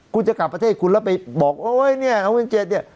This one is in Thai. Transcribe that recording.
คุณจะกลับประเทศคุณแล้วไปบอกโอ๊ยเนี่ยเอาเงิน๗เนี่ย